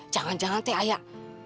jangan jangan teh ayak